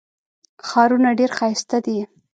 ښارونه ډېر ښایسته دي.